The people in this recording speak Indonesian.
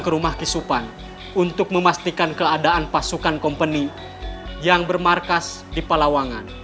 ke rumah kisupan untuk memastikan keadaan pasukan kompeni yang bermarkas di palawangan